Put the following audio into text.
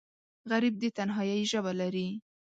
غریب د تنهایۍ ژبه لري